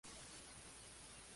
Orquesta Sinfónica Carlos Chávez.